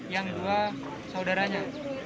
yang dua saudaranya